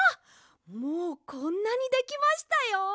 もうこんなにできましたよ。